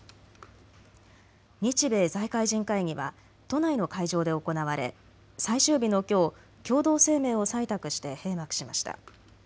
日米財界人会議は都内の会場で行われ最終日のきょう共同声明を採択して閉幕しました。